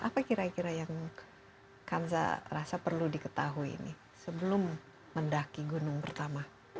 apa kira kira yang kanza rasa perlu diketahui ini sebelum mendaki gunung pertama